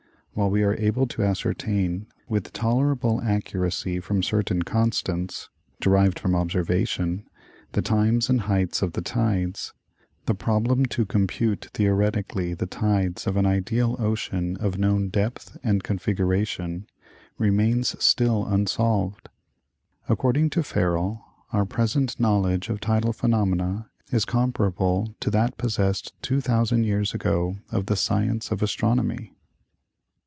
While we are able to ascertain with tolerable accuracy from certain constants, derived from observation, the times and heights of the tides, the problem to compute theoret 146 National Geographic Magazine. ically the tides of an ideal ocean of known depth and configura tion remains still unsolved. According to Ferrel our present knowledge of tidal phenomena is comparable to that possessed 2,000 years ago of the science of astronomy.